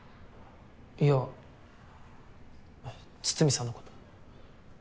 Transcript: いや筒見さんのこと。